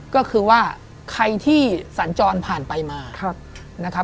ก็คือว่าใครที่สัญจรผ่านไปมา